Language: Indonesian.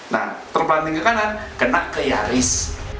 nah terbanding ke kanan kena ke yaris